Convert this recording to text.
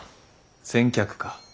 先客か。